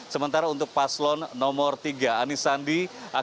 sementara untuk paslon nomor tiga anis sandi